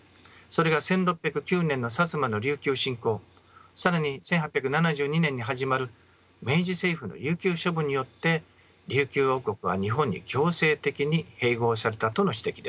それが１６０９年の薩摩の琉球侵攻更に１８７２年に始まる明治政府の琉球処分によって琉球王国は日本に強制的に併合されたとの指摘です。